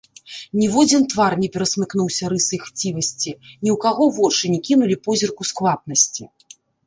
Ніводзін твар не перасмыкнуўся рысай хцівасці, ні ў каго вочы не кінулі позірку сквапнасці.